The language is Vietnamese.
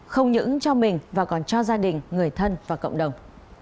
không những cho mình mà còn cho gia đình người thân và cộng đồng